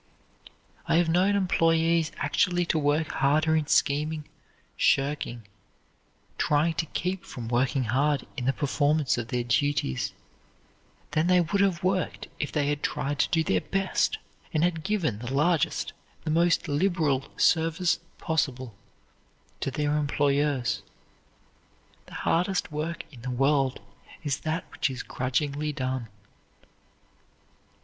I have known employees actually to work harder in scheming, shirking, trying to keep from working hard in the performance of their duties, than they would have worked if they had tried to do their best, and had given the largest, the most liberal service possible to their employers. The hardest work in the world is that which is grudgingly done.